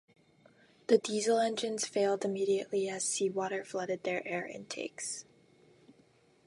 The diesel engines failed immediately as seawater flooded their air intakes.